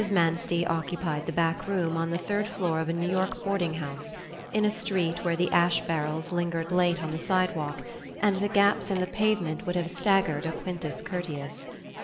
Manstey occupied the back room on the third floor of a New York boarding house, in a street where the ash barrels lingered late on the sidewalk and the gaps in the pavement would have staggered a Quintus Curtius.